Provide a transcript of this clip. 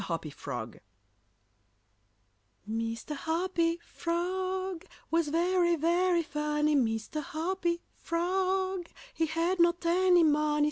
HOPPY FROG Mr. Hoppy Frog Was very, very funny; Mr. Hoppy Frog He had not any money.